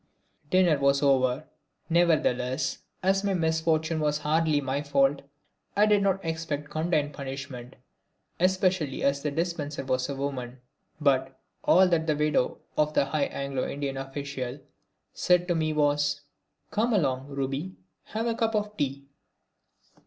Dinner was over; nevertheless, as my misfortune was hardly my fault, I did not expect condign punishment, especially as the dispenser was a woman. But all that the widow of the high Anglo Indian official said to me was: "Come along, Ruby, have a cup of tea."